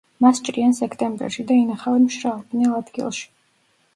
მას ჭრიან სექტემბერში და ინახავენ მშრალ, ბნელ ადგილში.